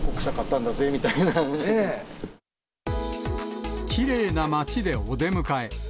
ここ、きれいな町でお出迎え。